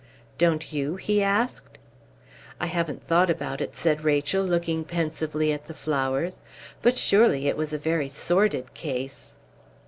"Don't you?" he asked. "I haven't thought about it," said Rachel, looking pensively at the flowers. "But surely it was a very sordid case?"